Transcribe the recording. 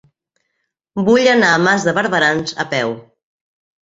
Vull anar a Mas de Barberans a peu.